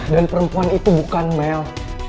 dan perempuan itu bukan mel